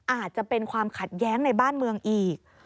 อาจจะเป็นความขัดแย้งในบ้านเมืองอีก